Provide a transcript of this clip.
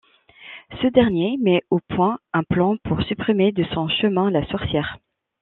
Ce dernier met au point un plan pour supprimer de son chemin la sorcière.